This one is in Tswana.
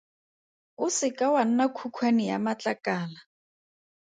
O se ka wa nna khukhwane ya matlakala.